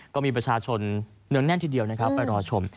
ก็มีประชาชนเนื้องแน่นทีเดียวนะครับไปรอชม